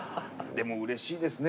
でもうれしいですね。